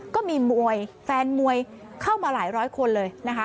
ก็มีมวยแฟนมวยเข้ามาหลายร้อยคนเลยนะคะ